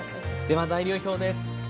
では材料表です。